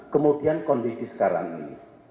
kemudian kondisi sekarang ini